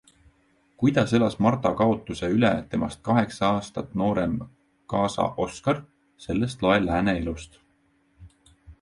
Kuidas elas Marta kaotuse üle temast kaheksa aastat noorem kaasa Oskar, sellest loe Lääne Elust.